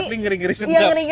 tapi ngeri ngeri sempat